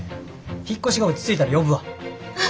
引っ越しが落ち着いたら呼ぶわ。